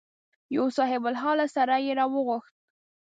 یو صاحب الحاله سړی یې راوغوښت.